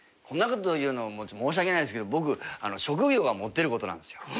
こんなこと言うの申し訳ないですけど僕職業がモテることなんですよ。